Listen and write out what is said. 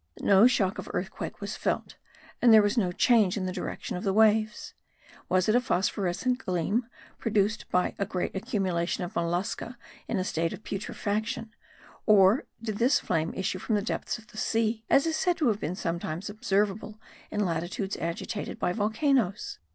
No shock of earthquake was felt and there was no change in the direction of the waves. Was it a phosphoric gleam produced by a great accumulation of mollusca in a state of putrefaction; or did this flame issue from the depth of the sea, as is said to have been sometimes observable in latitudes agitated by volcanoes?